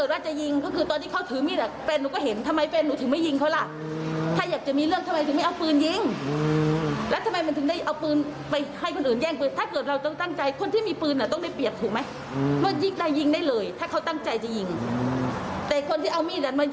แล้วเค้าเคยขูภาพหนูมาแล้วหนูลงไปที่ประจำวันมาแล้วด้วย